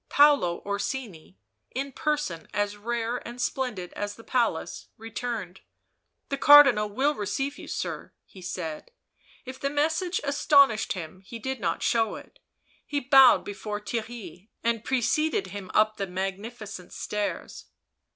Paolo Orsini, in person as rare and splendid as the palace, returned. " The Cardinal will receive you, sir," he said; if the message astonished him he did not show it; he bowed before Theirry, and pre cceded him up the magnificent stairs.